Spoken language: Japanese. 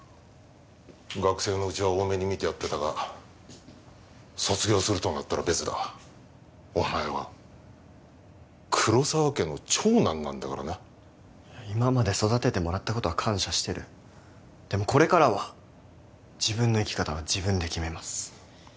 学生のうちは大目に見てやってたが卒業するとなったら別だお前は黒澤家の長男なんだからな今まで育ててもらったことは感謝してるでもこれからは自分の生き方は自分で決めます